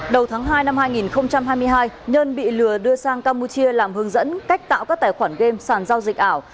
đầu tháng hai năm hai nghìn hai mươi hai nhân bị lừa đưa sang campuchia làm hướng dẫn cách tạo các tài khoản game sàn giao dịch ảo